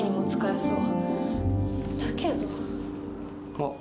あっ。